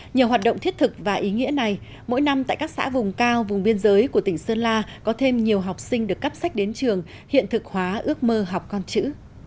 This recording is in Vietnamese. nhờ hoạt động thiết thực và ý nghĩa này mỗi năm tại các xã vùng cao vùng biên giới của tỉnh sơn la có thêm nhiều học sinh được cắp sách đến trường hiện thực hóa ước mơ học con chữ